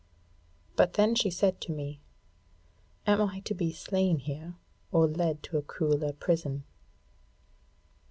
But then she said to me: 'Am I to be slain here or led to a crueller prison?'